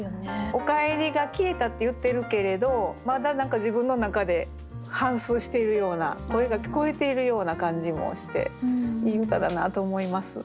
「『おかえり』が消えた」って言ってるけれどまだ何か自分の中で反すうしているような声が聞こえているような感じもしていい歌だなと思います。